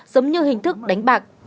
giống như hình thức đánh bạc